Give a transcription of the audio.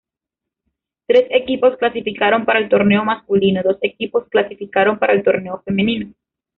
Tres equipos clasificaron para el torneo masculino, dos equipos clasificaron para el torneo femenino.